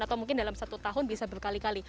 atau mungkin dalam satu tahun bisa berkali kali